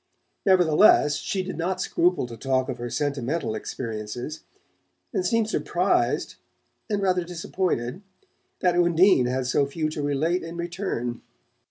Nevertheless she did not scruple to talk of her sentimental experiences, and seemed surprised, and rather disappointed, that Undine had so few to relate in return.